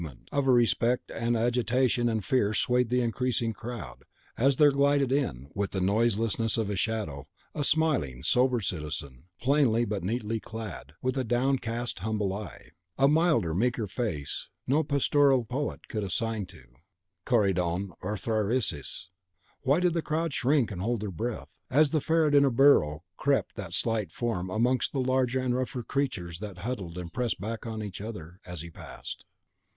Scarce had this gruff and iron minion of the tyrant stalked through the throng, than a new movement of respect and agitation and fear swayed the increasing crowd, as there glided in, with the noiselessness of a shadow, a smiling, sober citizen, plainly but neatly clad, with a downcast humble eye. A milder, meeker face no pastoral poet could assign to Corydon or Thyrsis, why did the crowd shrink and hold their breath? As the ferret in a burrow crept that slight form amongst the larger and rougher creatures that huddled and pressed back on each other as he passed.